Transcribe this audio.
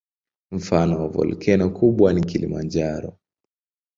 Mfano wa volkeno kubwa ni Kilimanjaro.